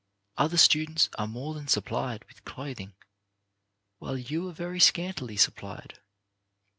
Other students are more than supplied with clothing, while you are very scantily supplied.